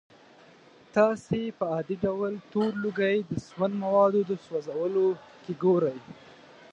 تاسې په عادي ډول تور لوګی د سون موادو د سوځولو کې ګورئ.